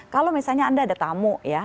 kalau misalnya anda ada tamu ya